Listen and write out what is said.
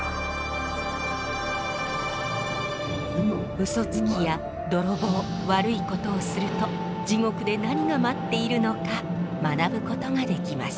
うそつきや泥棒悪いことをすると地獄で何が待っているのか学ぶことができます。